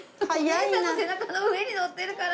お姉さんの背中の上に乗ってるから。